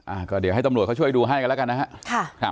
อ่าก็เดี๋ยวให้ตำรวจเขาช่วยดูให้กันแล้วกันนะครับ